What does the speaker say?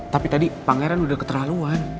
tapi tadi pangeran udah keterlaluan